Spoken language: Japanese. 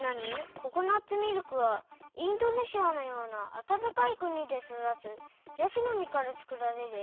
ココナツミルクはインドネシアのようなあたたかいくにでそだつヤシのみからつくられるえきたい。